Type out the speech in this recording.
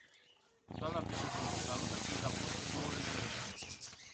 Doamnă președintă, salut acest raport cu două rezerve.